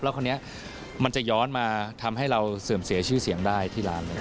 แล้วคนนี้มันจะย้อนมาทำให้เราเสื่อมเสียชื่อเสียงได้ที่ร้านเลย